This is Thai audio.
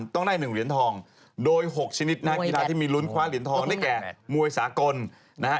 ต้องได้๑เหรียญทองโดย๖ชนิดนะฮะกีฬาที่มีลุ้นคว้าเหรียญทองได้แก่มวยสากลนะฮะ